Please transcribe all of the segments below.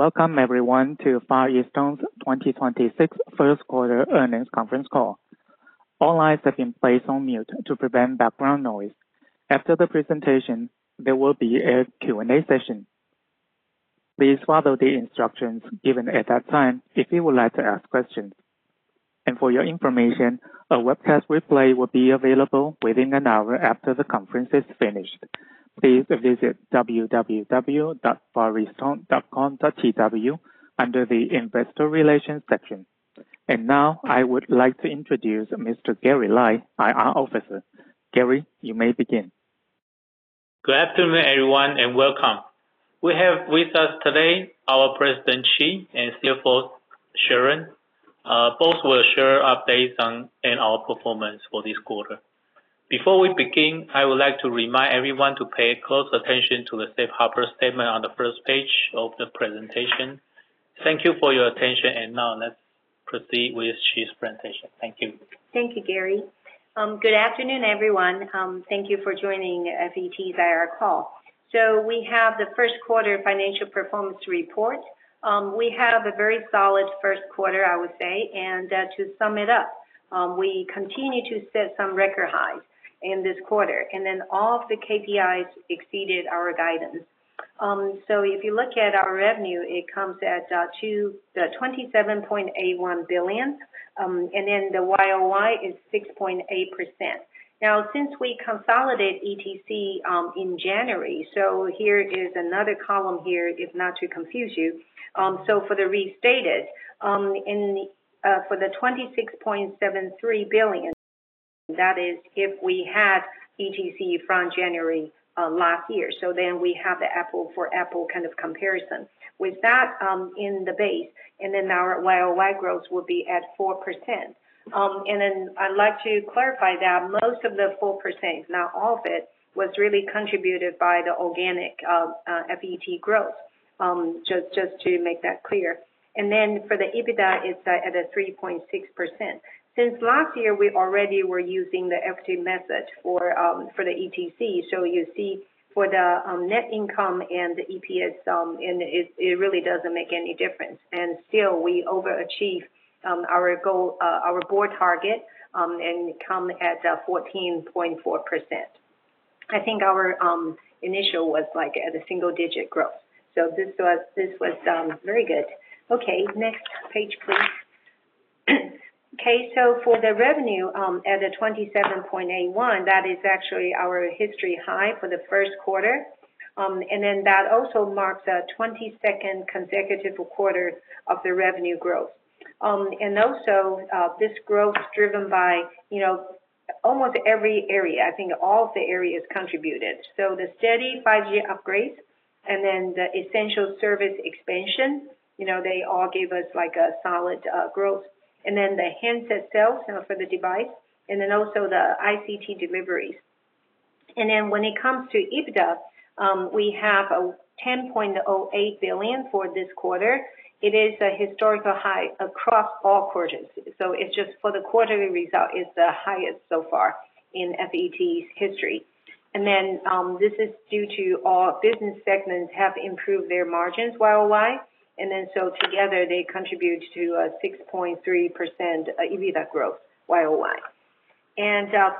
Welcome everyone to Far EasTone's 2026 first quarter earnings conference call. All lines have been placed on mute to prevent background noise. After the presentation, there will be a Q&A session. Please follow the instructions given at that time if you would like to ask questions. For your information, a webcast replay will be available within an hour after the conference is finished. Please visit www.fareastone.com.tw under the Investor Relations section. Now I would like to introduce Mr. Gary Lai, IR Officer. Gary, you may begin. Good afternoon, everyone, and welcome. We have with us today our President Chee and CFO Sharon. Both will share updates in our performance for this quarter. Before we begin, I would like to remind everyone to pay close attention to the safe harbor statement on the first page of the presentation. Thank you for your attention. Now let's proceed with Chee's presentation. Thank you. Thank you, Gary. Good afternoon, everyone. Thank you for joining FET's IR call. We have the first quarter financial performance report. We have a very solid st quarter, I would say. To sum it up, we continue to set some record highs in this quarter, and all of the KPIs exceeded our guidance. If you look at our revenue, it comes at 27.81 billion. The YoY is 6.8%. Since we consolidate ETC in January, so here is another column here, if not to confuse you. For the restated, for the 26.73 billion, that is if we had ETC from January last year. Then we have the apple for apple kind of comparison. With that, in the base, our YoY growth will be at 4%. I'd like to clarify that most of the 4%, not all of it, was really contributed by the organic FET growth, just to make that clear. For the EBITDA, it's at a 3.6%. Since last year, we already were using the equity method for the ETC. You see for the net income and the EPS, it really doesn't make any difference. Still we overachieve our goal, our board target, and come at a 14.4%. I think our initial was like at a single-digit growth. This was very good. Next page, please. For the revenue, at a 27.81 billion, that is actually our history high for the first quarter. That also marks our 22nd consecutive quarter of the revenue growth. This growth is driven by, you know, almost every area. I think all of the areas contributed. The steady 5G upgrades and the essential service expansion, you know, they all gave us like a solid growth. The handset sales, you know, for the device, the ICT deliveries. When it comes to EBITDA, we have a 10.08 billion for this quarter. It is a historical high across all quarters. It's just for the quarterly result, it's the highest so far in FET's history. This is due to all business segments have improved their margins YoY. Together, they contribute to a 6.3% EBITDA growth YoY.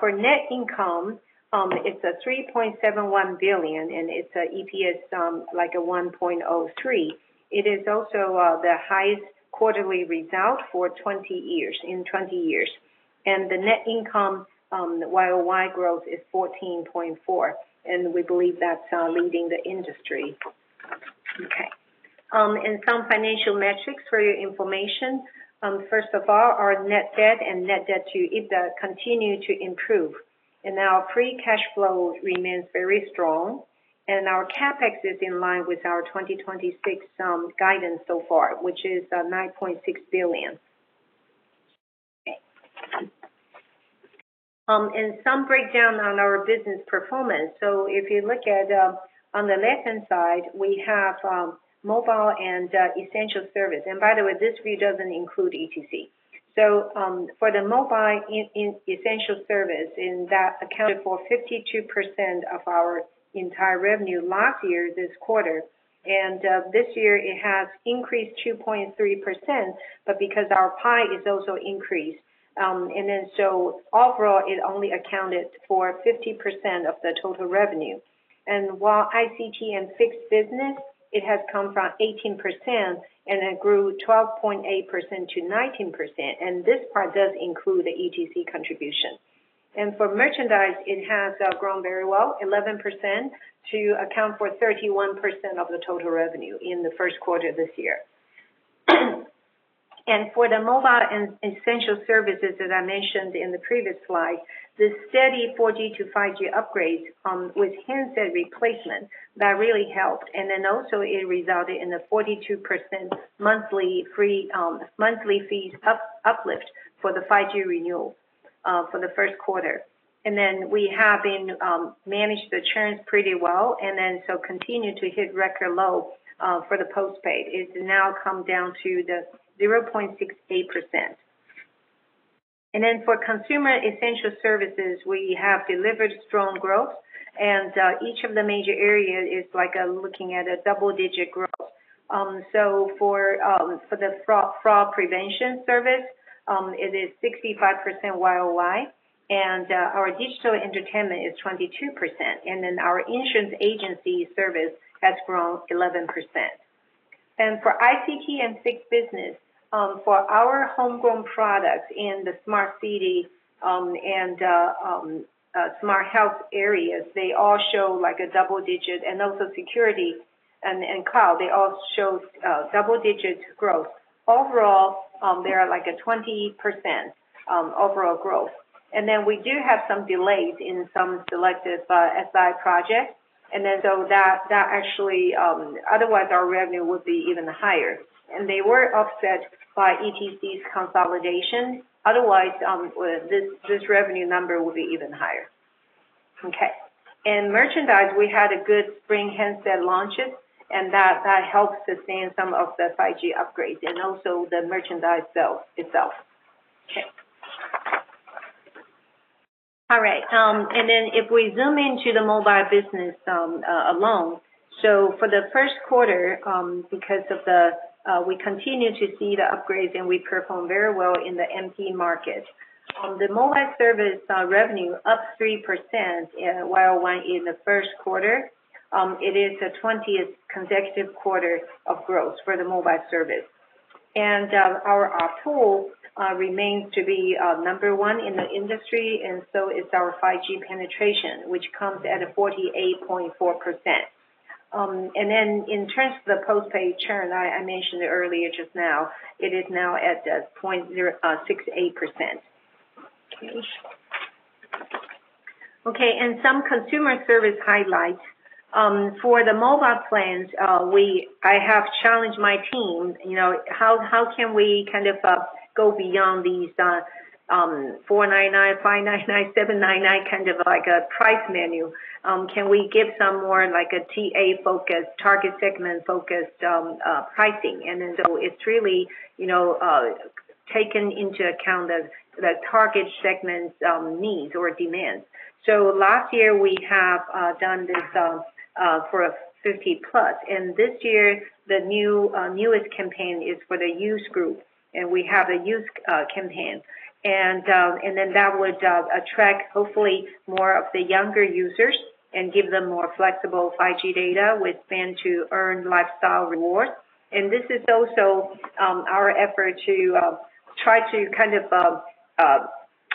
For net income, it's a 3.71 billion, and it's a EPS 1.03. It is also the highest quarterly result in 20 years. The net income YoY growth is 14.4%, and we believe that's leading the industry. Some financial metrics for your information. First of all, our net debt and net debt to EBITDA continue to improve. Our free cash flow remains very strong. Our CapEx is in line with our 2026 guidance so far, which is 9.6 billion. Some breakdown on our business performance. If you look at, on the left-hand side, we have Mobile & Essential service. By the way, this view doesn't include ETC. For Mobile & Essential service, that accounted for 52% of our entire revenue last year this quarter. This year it has increased 2.3%, because our pie is also increased. Overall, it only accounted for 50% of the total revenue. While ICT and Fixed business, it has come from 18% and it grew 12.8% to 19%, this part does include the ETC contribution. For merchandise, it has grown very well, 11%, to account for 31% of the total revenue in the first quarter this year. For the Mobile & Essential services, as I mentioned in the previous slide, the steady 4G to 5G upgrades, with handset replacement, that really helped. It resulted in a 42% monthly free, monthly fees uplift for the 5G renewal for the first quarter. We have been managed the churns pretty well, continue to hit record low for the postpaid. It's now come down to the 0.68%. For Consumer Essential services, we have delivered strong growth, each of the major area is looking at a double-digit growth. For the Fraud Prevention service, it is 65% YoY, our Digital Entertainment is 22%, our Insurance Agency service has grown 11%. For ICT and Fixed business, for our homegrown products in the Smart City, and Smart Health areas, they all show like a double-digit. Also Security and Cloud, they all show double-digit growth. Overall, they are like a 20% overall growth. We do have some delays in some selective SI projects, so that actually otherwise our revenue would be even higher. They were offset by ETC's consolidation. Otherwise, this revenue number would be even higher. Okay. In merchandise, we had a good spring handset launches, and that helped sustain some of the 5G upgrades and also the merchandise sale itself. Okay. All right, if we zoom into the Mobile business alone. For the first quarter, because of the, we continue to see the upgrades, and we perform very well in the MT market. The Mobile Service revenue up 3% in YoY in the first quarter. It is the 20th consecutive quarter of growth for the Mobile Service. Our ARPU remains to be number one in the industry, and so is our 5G penetration, which comes at a 48.4%. In terms of the postpaid churn, I mentioned earlier just now, it is now at a 0.068%. Okay. Some consumer service highlights. For the mobile plans, I have challenged my team, you know, how can we kind of go beyond these 499, 599, 799, kind of like a price menu? Can we give some more like a TA-focused, target segment-focused pricing? It's really, you know, taken into account the target segment's needs or demands. Last year we have done this for a 50+, and this year the new newest campaign is for the youth group, and we have a youth campaign. That would attract hopefully more of the younger users and give them more flexible 5G data with plan to earn lifestyle rewards. This is also our effort to try to kind of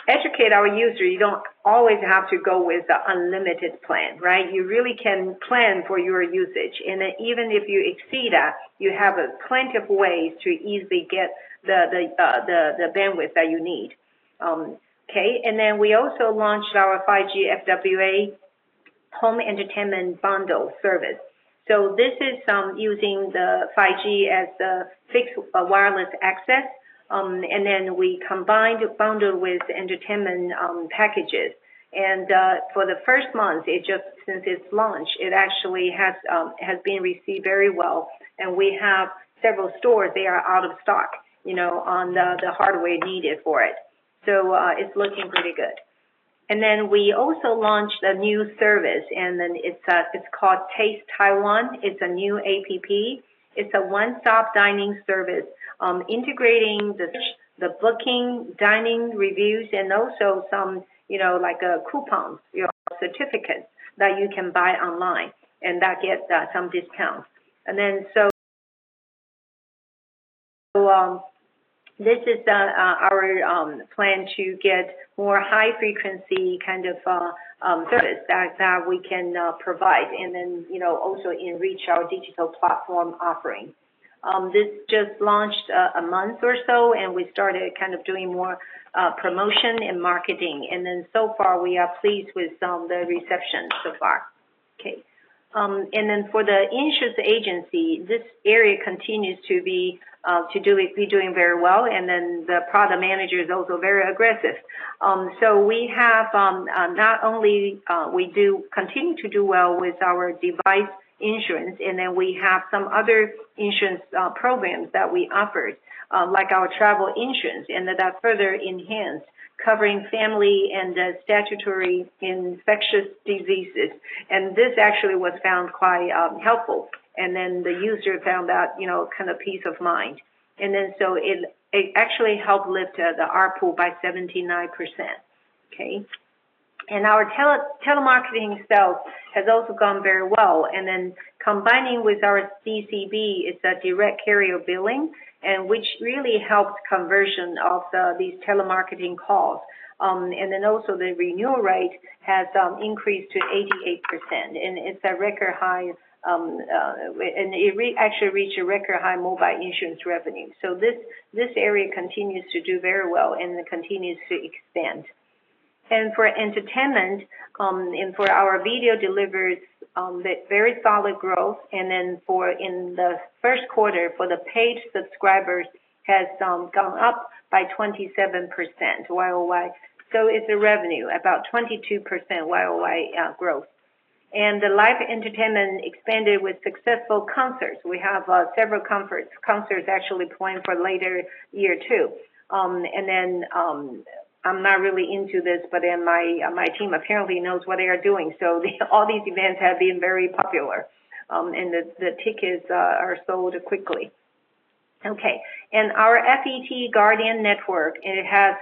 educate our user. You don't always have to go with the Unlimited Plan, right? You really can plan for your usage. Even if you exceed that, you have plenty of ways to easily get the bandwidth that you need. We also launched our 5G FWA Home Entertainment Bundle Service. This is using the 5G as the Fixed Wireless Access, and then we combined bundle with entertainment packages. For the first month, since its launch, it actually has been received very well. We have several stores, they are out of stock, you know, on the hardware needed for it. It's looking pretty good. We also launched a new service, and then it's called Taste Taiwan. It's a new app. It's a one-stop dining service, integrating the booking, dining, reviews, and also some, you know, like, coupons, you know, certificates that you can buy online and that get some discounts. This is the, our, plan to get more high frequency kind of, service that we can, provide and then, you know, also enrich our digital platform offering. This just launched, a month or so, and we started kind of doing more, promotion and marketing. So far we are pleased with, the reception so far. Okay. For the Insurance Agency, this area continues to be doing very well, the product manager is also very aggressive. So we have not only we do continue to do well with our device insurance, we have some other insurance programs that we offered, like our travel insurance, that further enhanced covering family and statutory infectious diseases. This actually was found quite helpful. The user found that, you know, kind of peace of mind. So it actually helped lift the ARPU by 79%. Okay. Our telemarketing sales has also gone very well. Combining with our DCB, it's a Direct Carrier Billing, which really helped conversion of these telemarketing calls. The renewal rate has increased to 88%, and it's a record high. It actually reached a record high Mobile Insurance revenue. This area continues to do very well and it continues to expand. For Entertainment, for our video delivers very solid growth. For in the first quarter, for the paid subscribers has gone up by 27% YoY. It's a revenue, about 22% YoY growth. The live entertainment expanded with successful concerts. We have several concerts actually planned for later year too. I'm not really into this, my team apparently knows what they are doing. All these events have been very popular, the tickets are sold quickly. Our FET Guardian Network, it has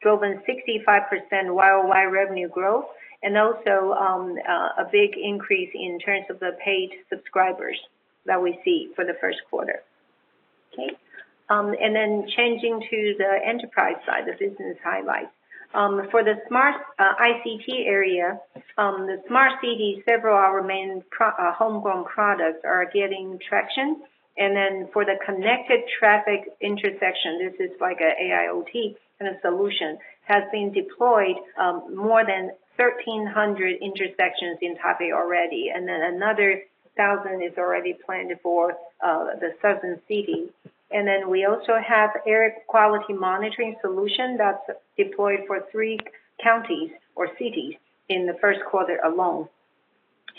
driven 65% YoY revenue growth and also a big increase in terms of the paid subscribers that we see for the first quarter. Changing to the enterprise side, the business highlights. For the smart ICT area, the Smart City, several our main homegrown products are gaining traction. For the connected traffic intersection, this is like a AIoT kind of solution, has been deployed more than 1,300 intersections in Taipei already, and then another 1,000 is already planned for the southern city. We also have air quality monitoring solution that's deployed for three counties or cities in the first quarter alone.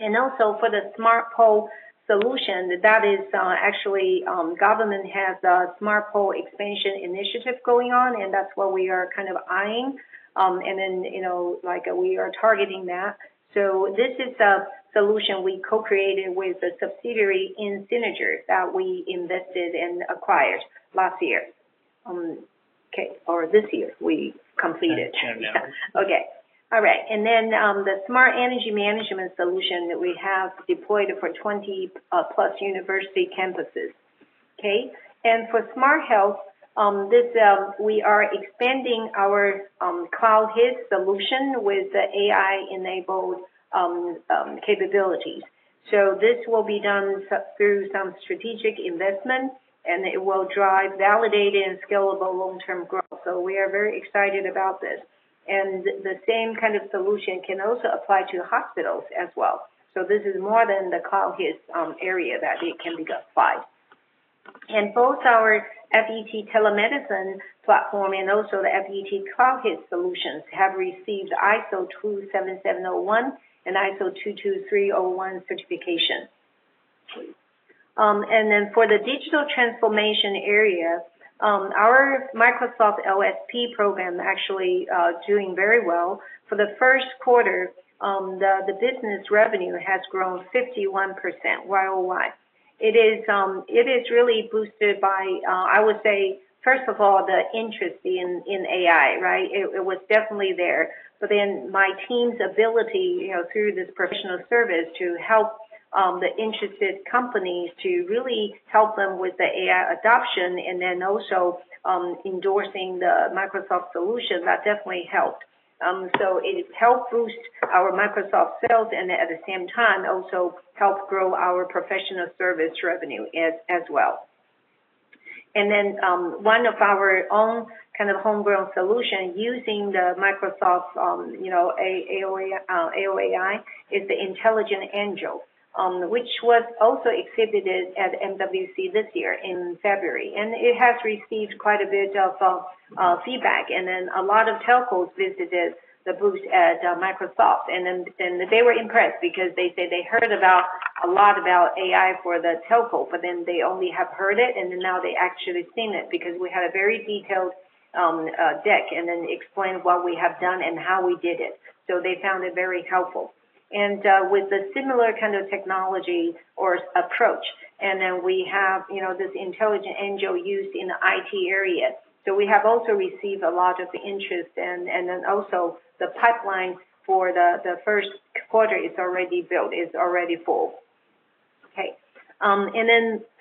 Also for the Smart Pole solution, that is, actually, government has a Smart Pole expansion initiative going on, and that's where we are kind of eyeing. Then, you know, like we are targeting that. This is a solution we co-created with a subsidiary InSynerger that we invested and acquired last year. Okay, or this year we completed. Okay. All right. The Smart Energy Management solution that we have deployed for 20+ university campuses. Okay. For Smart Health, this we are expanding our Cloud HIS solution with the AI-enabled capabilities. This will be done through some strategic investment, and it will drive validated and scalable long-term growth. We are very excited about this. The same kind of solution can also apply to hospitals as well. This is more than the Cloud HIS area that it can be applied. Both our FET Telemedicine platform and also the FET Cloud HIS solutions have received ISO 27701 and ISO 22301 certification. For the digital transformation area, our Microsoft LSP program actually doing very well. For the first quarter, the business revenue has grown 51% YoY. It is really boosted by, I would say, first of all, the interest in AI. It was definitely there. My team's ability, you know, through this professional service to help the interested companies to really help them with the AI adoption endorsing the Microsoft solution, that definitely helped. It helped boost our Microsoft sales and at the same time also helped grow our professional service revenue as well. One of our own kind of homegrown solution using the Microsoft, you know, AOAI is the Intelligent Angel, which was also exhibited at MWC this year in February. It has received quite a bit of feedback. A lot of telcos visited the booth at Microsoft. They were impressed because they say they heard a lot about AI for the telco, they only have heard it, now they actually seen it because we had a very detailed deck and explained what we have done and how we did it. They found it very helpful. With the similar kind of technology or approach, we have, you know, this Intelligent Angel used in the IT area. We have also received a lot of interest and also the pipeline for the first quarter is already built, is already full. Okay.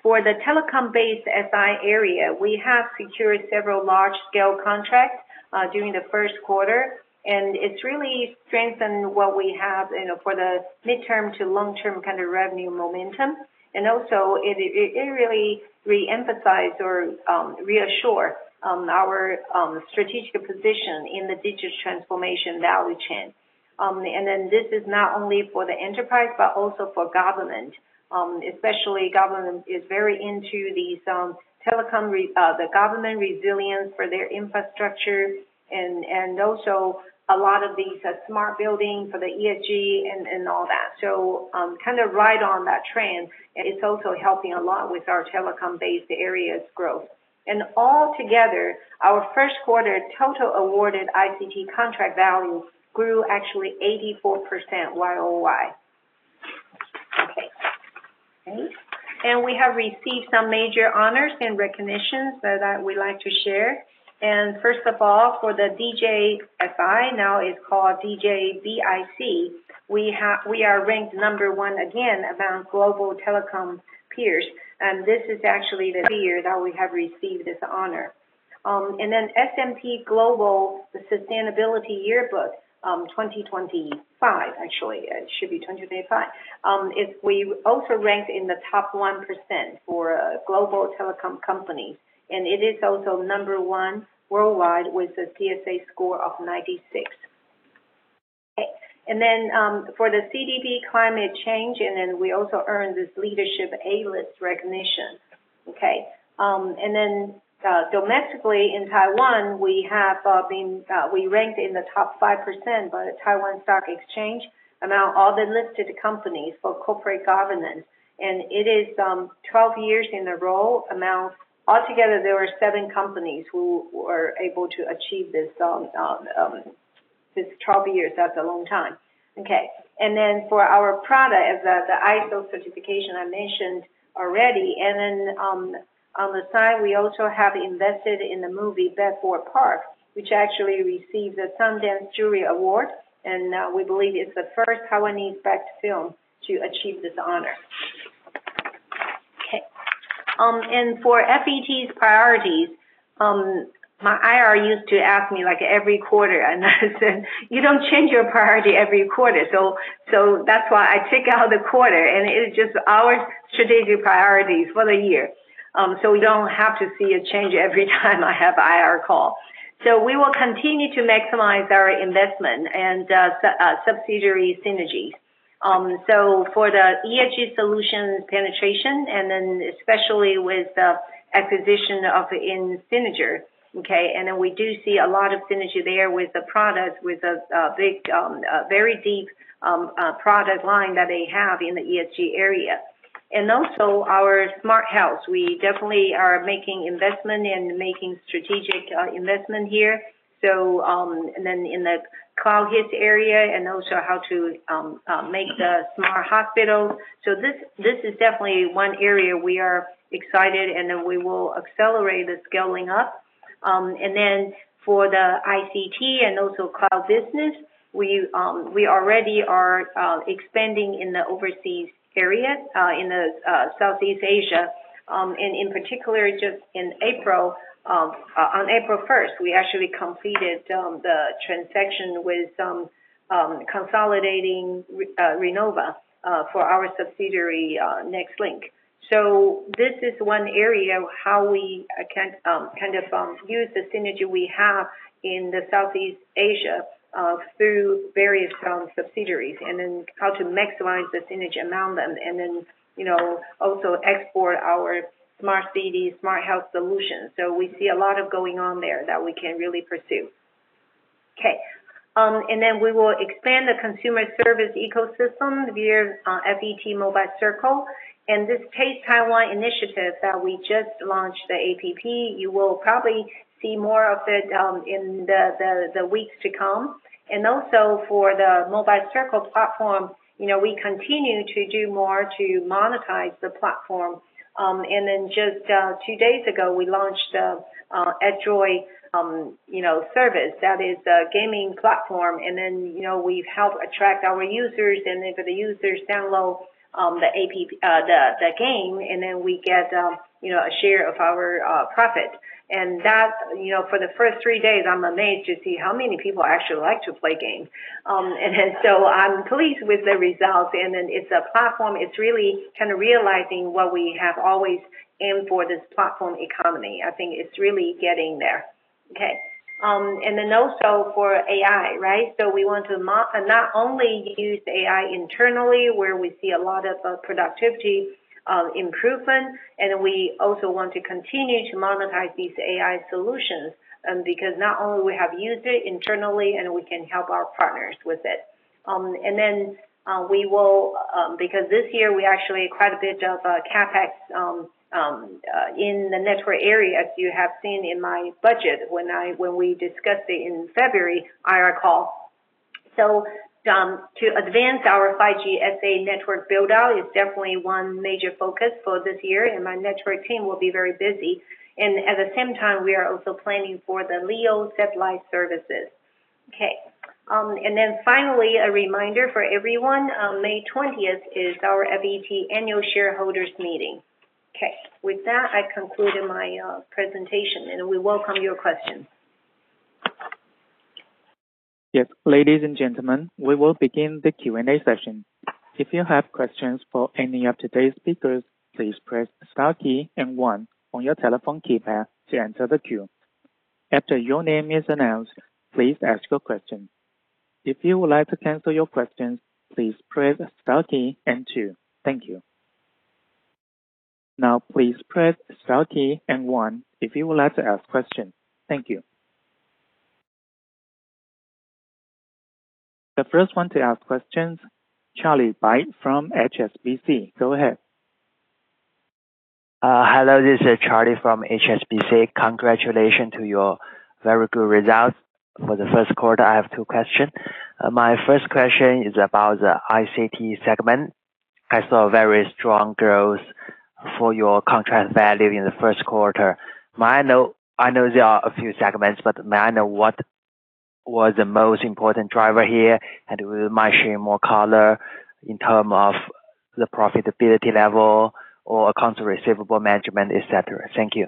For the telecom-based SI area, we have secured several large-scale contracts during the first quarter, and it's really strengthened what we have, you know, for the midterm to long-term kind of revenue momentum. Also it really re-emphasize or reassure our strategic position in the digital transformation value chain. This is not only for the enterprise, but also for government. Especially government is very into these, the government resilience for their infrastructure and also a lot of these smart building for the ESG and all that. Kind of ride on that trend, it's also helping a lot with our telecom-based areas growth. All together, our first quarter total awarded ICT contract value grew actually 84% YoY. We have received some major honors and recognitions that I would like to share. First of all, for the DJSI, now it's called DJ BIC, we are ranked number one again among global telecom peers. This is actually the third year that we have received this honor. S&P Global "The Sustainability Yearbook 2025," actually, it should be 2026, is we also ranked in the top 1% for global telecom companies, and it is also number one worldwide with a CSA score of 96. Okay. For the CDP Climate Change, we also earned this Leadership A-List recognition. Okay. Domestically in Taiwan, we ranked in the top 5% by the Taiwan Stock Exchange among all the listed companies for corporate governance. It is 12 years in a row among altogether there were seven companies who were able to achieve this 12 years. That's a long time. For our product, as the ISO certification I mentioned already. On the side, we also have invested in the movie Bedford Park, which actually received the Sundance Jury Award, and we believe it's the first Taiwanese-backed film to achieve this honor. For FET's priorities, my IR used to ask me like every quarter, and I said, "You don't change your priority every quarter." That's why I take out the quarter, and it is just our strategic priorities for the year. We don't have to see a change every time I have IR call. We will continue to maximize our investment and subsidiary synergy. For the ESG solution penetration especially with the acquisition of InSynerger. We do see a lot of synergy there with the product, with a big, a very deep product line that they have in the ESG area, and also our Smart Health. We definitely are making investment and making strategic investment here. In the Cloud HIS area and also how to make the smart hospital. This is definitely one area we are excited, we will accelerate the scaling up. For the ICT and also Cloud business, we already are expanding in the overseas area in Southeast Asia. In particular, just in April, on April 1st, we actually completed the transaction with consolidating Renova for our subsidiary, Nextlink. This is one area how we can kind of use the synergy we have in the Southeast Asia through various subsidiaries and then how to maximize the synergy among them. You know, also export our Smart City, Smart Health solutions. We see a lot of going on there that we can really pursue. Okay. We will expand the consumer service ecosystem via FET Mobile Circle. This Taste Taiwan initiative that we just launched, the app, you will probably see more of it in the weeks to come. Also for the Mobile Circle platform, you know, we continue to do more to monetize the platform. Then just two days ago, we launched [Edjoy], you know, service. That is a gaming platform. Then, you know, we help attract our users, and then for the users download the game, and then we get, you know, a share of our profit. That's, you know, for the first three days, I'm amazed to see how many people actually like to play games. So I'm pleased with the results. Then it's a platform, it's really kind of realizing what we have always aimed for, this platform economy. I think it's really getting there. Okay. Then also for AI, right? We want to not only use AI internally, where we see a lot of productivity improvement, and we also want to continue to monetize these AI solutions, because not only we have used it internally and we can help our partners with it. Because this year we actually quite a bit of CapEx in the network area, as you have seen in my budget when we discussed it in February IR call, to advance our 5G SA network build-out is definitely one major focus for this year, and my network team will be very busy. At the same time, we are also planning for the LEO satellite services. Okay. Finally, a reminder for everyone, May 20th is our FET Annual Shareholders' Meeting. Okay. With that, I conclude my presentation, and we welcome your questions. Yes. Ladies and gentlemen, we will begin the Q&A session. If you have questions for any of today's speakers, please press star key and one on your telephone keypad to enter the queue. After your name is announced, please ask your question. If you would like to cancel your questions, please press star key and two. Thank you. Now please press star key and one if you would like to ask questions. Thank you. The first one to ask questions, [Charlie Bai] from HSBC. Go ahead. Hello. This is Charlie from HSBC. Congratulations to your very good results for the first quarter. I have two questions. My first question is about the ICT segment. I saw very strong growth for your contract value in the first quarter. I know there are a few segments, but may I know what was the most important driver here? Will you mind sharing more color in term of the profitability level or accounts receivable management, et cetera? Thank you.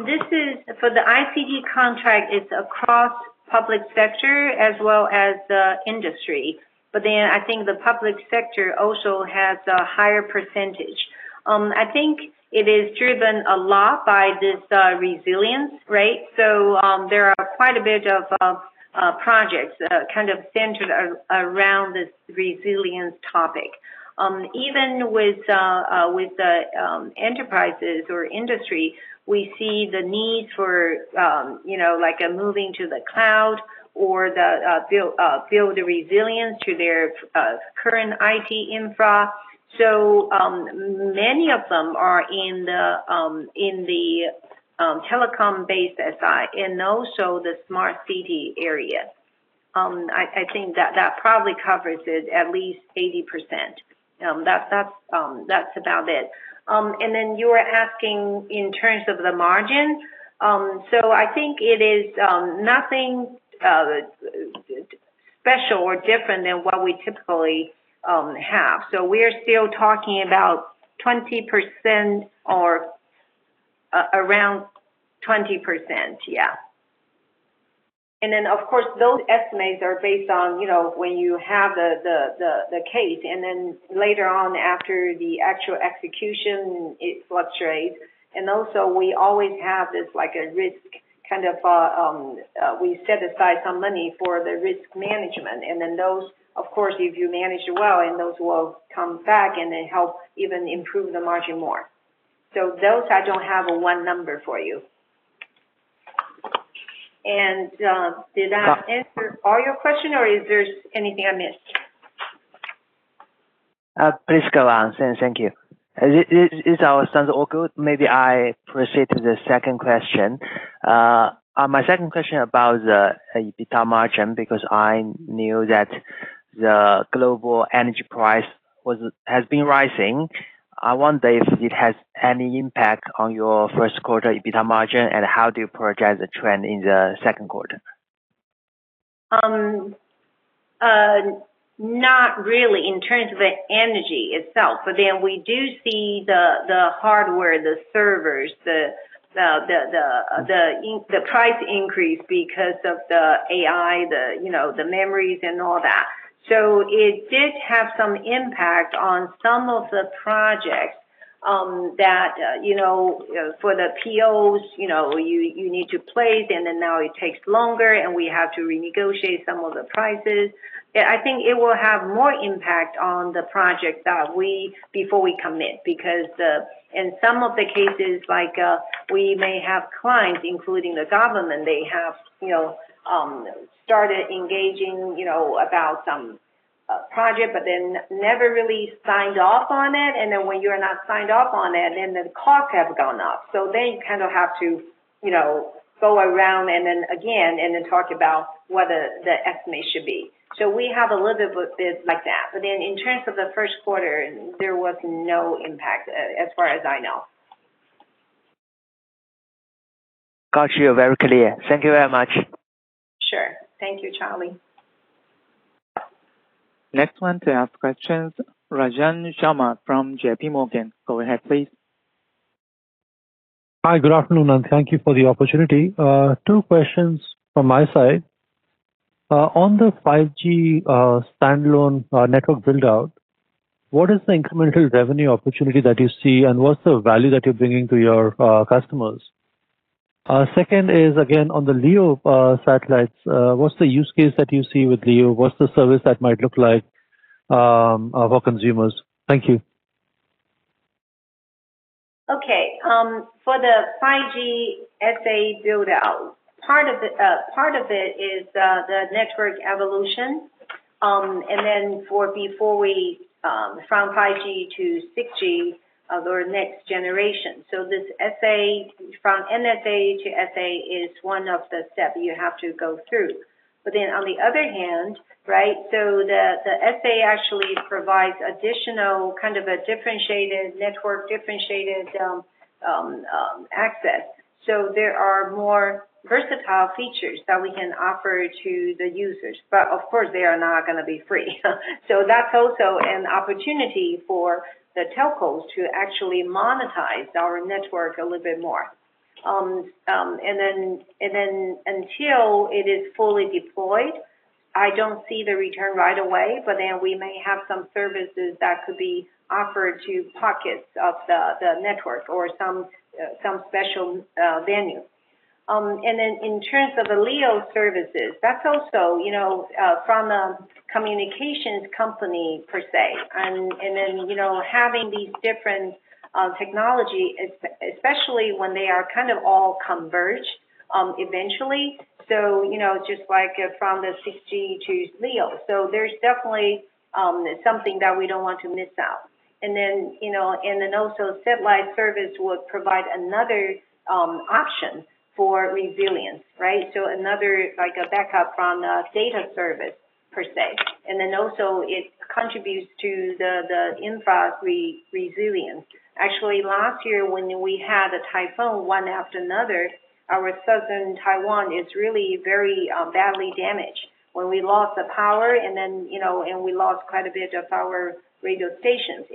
This is for the ICT contract, it is across public sector as well as the industry. The public sector also has a higher percentage. It is driven a lot by this resilience. There are quite a bit of projects kind of centered around this resilience topic. Even with the enterprises or industry, we see the need for, you know, like a moving to the cloud or the build the resilience to their current IT infra. Many of them are in the telecom-based SI and also the Smart City area. I think that probably covers it at least 80%. That is about it. You were asking in terms of the margin. I think it is nothing special or different than what we typically have. We're still talking about 20% or around 20%. Yeah. Of course, those estimates are based on, you know, when you have the case, and then later on after the actual execution, it fluctuates. We always have this like a risk kind of we set aside some money for the risk management. Those, of course, if you manage it well, those will come back and help even improve the margin more. Those, I don't have a one number for you. Did that answer all your question, or is there anything I missed? Please go on. Thank you. Is our sounds all good? Maybe I proceed to the second question. My second question about the EBITDA margin because I knew that the global energy price has been rising. I wonder if it has any impact on your first quarter EBITDA margin, and how do you project the trend in the second quarter? Not really in terms of the energy itself. We do see the hardware, the servers, the price increase because of the AI, the, you know, the memories and all that. It did have some impact on some of the projects, that, you know, for the POs, you know, you need to place, now it takes longer, and we have to renegotiate some of the prices. I think it will have more impact on the project that we, before we commit because, in some of the cases, like, we may have clients, including the government, they have, you know, started engaging, you know, about some project, never really signed off on it. When you're not signed off on it, the costs have gone up. They kind of have to, you know, go around and then again and then talk about what the estimate should be. We have a little bit with this like that. In terms of the first quarter, there was no impact as far as I know. Got you. Very clear. Thank you very much. Sure. Thank you, Charlie. Next one to ask questions, Ranjan Sharma from JPMorgan. Go ahead, please. Hi. Good afternoon, and thank you for the opportunity. Two questions from my side. On the 5G standalone network build-out, what is the incremental revenue opportunity that you see, and what's the value that you're bringing to your customers? Second is again on the LEO satellites. What's the use case that you see with LEO? What's the service that might look like for consumers? Thank you. Okay. For the 5G SA build-out, part of it is the network evolution, and then from 5G to 6G, the next generation. This SA from NSA to SA is one of the step you have to go through. On the other hand, right, the SA actually provides additional kind of a differentiated network, differentiated access. There are more versatile features that we can offer to the users. Of course, they are not gonna be free. That's also an opportunity for the telcos to actually monetize our network a little bit more. Until it is fully deployed, I don't see the return right away, we may have some services that could be offered to pockets of the network or some special venue. In terms of the LEO services, that's also, you know, from a communications company per se. You know, having these different technology, especially when they are kind of all converged, eventually. You know, just like from the 6G to LEO. There's definitely something that we don't want to miss out. Also satellite service would provide another option for resilience, right? Another, like a backup from the data service per se. Also it contributes to the infra resilience. Actually, last year when we had a typhoon one after another, our southern Taiwan is really very badly damaged when we lost the power and then, you know, and we lost quite a bit of our radio stations.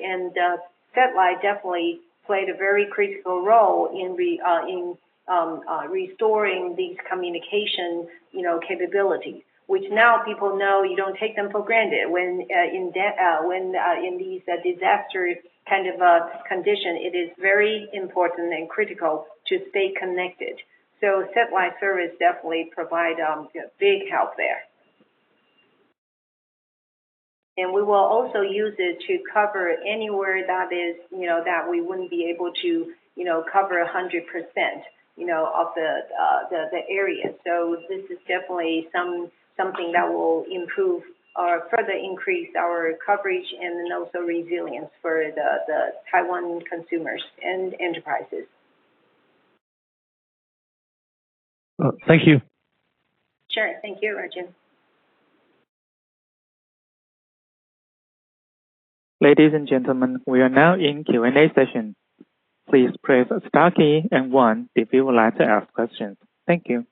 Satellite definitely played a very critical role in restoring these communication, you know, capabilities, which now people know you don't take them for granted. When in these disaster kind of condition, it is very important and critical to stay connected. Satellite service definitely provide big help there. We will also use it to cover anywhere that is, you know, that we wouldn't be able to, you know, cover 100%, you know, of the area. This is definitely something that will improve or further increase our coverage and then also resilience for the Taiwan consumers and enterprises. Thank you. Sure. Thank you, Ranjan. Ladies and gentlemen, we are now in Q&A session. Please press star key and one if you would like to ask questions. Thank you.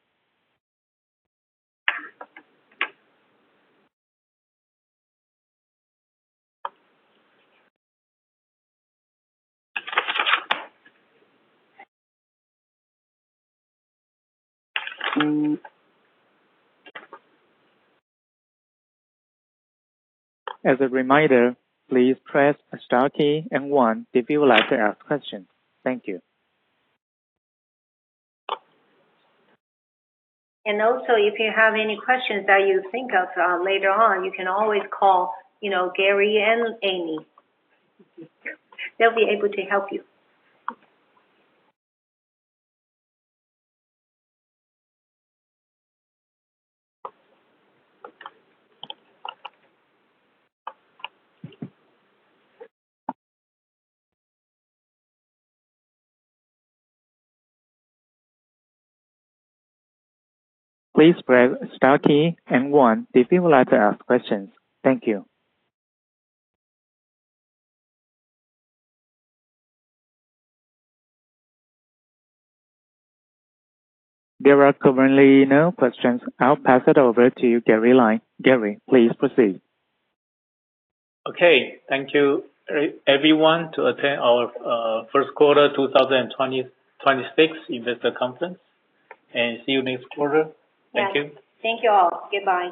As a reminder, please press star key and one if you would like to ask questions. Thank you. If you have any questions that you think of, later on, you can always call, you know, Gary and Amy. They'll be able to help you. Please press star key and one if you would like to ask questions. Thank you If there will be no questions, I'll pass it over to Gary Lai. Gary, please proceed. Okay. Thank you everyone to attend our first quarter 2026 investor conference. See you next quarter. Thank you. Yes. Thank you all. Goodbye.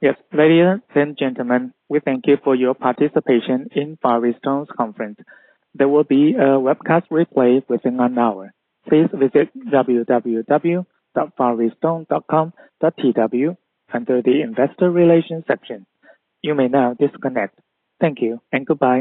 Yes. Ladies and gentlemen, we thank you for your participation in Far EasTone's conference. There will be a webcast replay within an hour. Please visit www.fareastone.com.tw under the investor relation section. You may now disconnect. Thank you and goodbye.